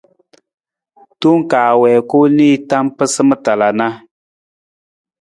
Tong kaa wii ku nii tam pa ma tala na.